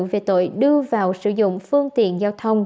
về tội đưa vào sử dụng phương tiện giao thông